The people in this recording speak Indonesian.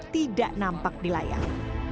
tidak nampak dilayang